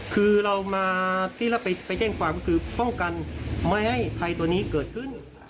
คือเรามาที่เราไปแจ้งความก็คือป้องกันไม่ให้ภัยตัวนี้เกิดขึ้น